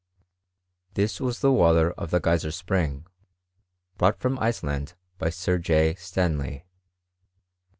TUl was the water of the Geyser spring, brought from Ice land by Sir J. Stanley.